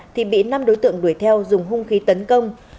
thì bị năm đối tượng đuổi theo dùng hung khí tấn công